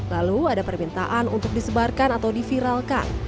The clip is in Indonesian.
lalu ada permintaan untuk disebarkan atau diviralkan